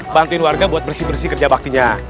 bantuin warga buat bersih bersih kerja baktinya